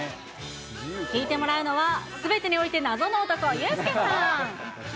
引いてもらうのは、すべてにおいて謎の男、ユースケさん。